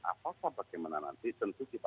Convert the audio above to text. apa apa bagaimana nanti tentu kita